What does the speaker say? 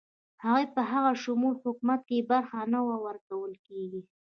هغوی په همه شموله حکومت کې برخه نه ورکول کیږي.